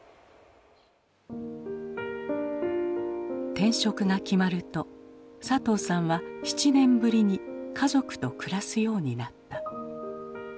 転職が決まると佐藤さんは７年ぶりに家族と暮らすようになった。